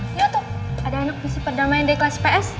lihat tuh ada anak misi perdamaian dari kelas ps